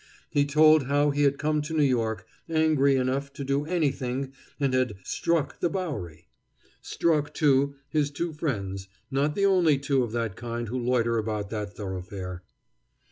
He told how he had come to New York, angry enough to do anything, and had "struck" the Bowery. Struck, too, his two friends, not the only two of that kind who loiter about that thoroughfare.